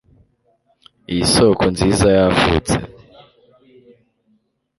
Iyi soko nziza yavutse